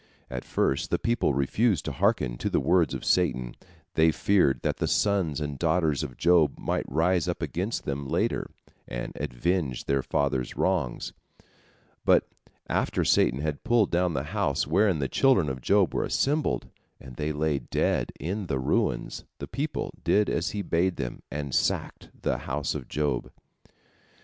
At first the people refused to hearken to the words of Satan. They feared that the sons and daughters of Job might rise up against them later, and avenge their father's wrongs. But after Satan had pulled down the house wherein the children of Job were assembled, and they lay dead in the ruins, the people did as he bade them, and sacked the house of Job.